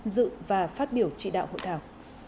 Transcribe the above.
dự và phát biểu trị đạo hội thảo